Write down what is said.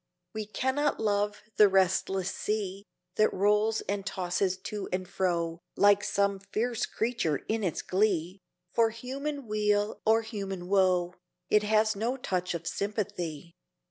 We cannot love the restless sea, That rolls and tosses to and fro Like some fierce creature in its glee; For human weal or human woe It has no touch of sympathy.